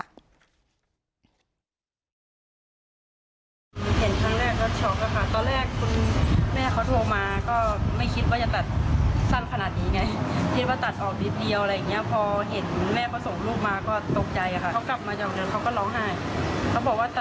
เห็นครั้งแรกก็ช็อกค่ะค่ะ